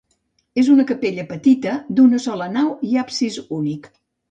És una capella petita, d'una sola nau i absis únic.